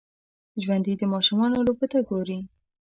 ژوندي د ماشومانو لوبو ته ګوري